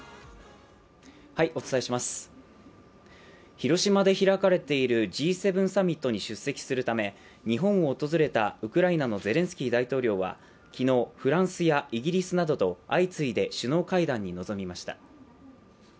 広島で開かれているＧ７サミットに出席するため日本を訪れたウクライナのゼレンスキー大統領は昨日、フランスやイギリスなどと相次いで首脳会談に臨みました。